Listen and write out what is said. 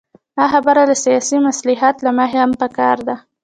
دا خبره له سیاسي مصلحت له مخې هم پکار ده.